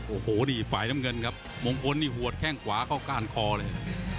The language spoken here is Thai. โอ้โหนี่ฝ่ายน้ำเงินครับมงคลนี่หัวแข้งขวาเข้าก้านคอเลย